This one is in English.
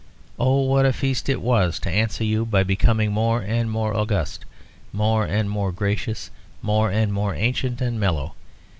Oh, what a feast it was to answer you by becoming more and more august, more and more gracious, more and more ancient and mellow!